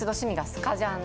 スカジャン。